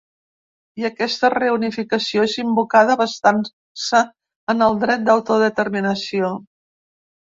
I aquesta reunificació és invocada basant-se en el dret d’autodeterminació.